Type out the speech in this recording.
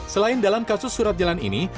selain dalam kasus surat jalan ini